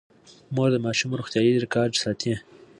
مور د ماشومانو روغتیايي ریکارډ ساتي.